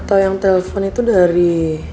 atau yang telpon itu dari